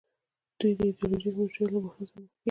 دوی د ایډیولوژیک مشروعیت له بحران سره مخ کیږي.